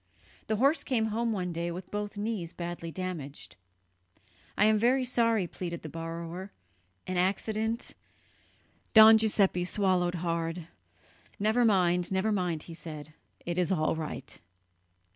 The horse came home one day with both knees badly damaged. "I am very sorry," pleaded the borrower, "an accident ...." Don Giuseppe swallowed hard. "Never mind, never mind," he said; "it is all right."